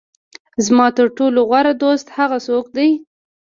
زما تر ټولو غوره دوست هغه څوک دی.